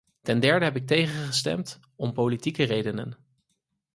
Ten derde heb ik tegengestemd om politieke redenen.